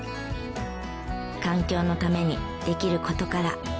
環境のためにできる事から。